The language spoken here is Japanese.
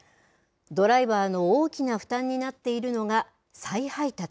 ドライバーの大きな負担になっているのが、再配達。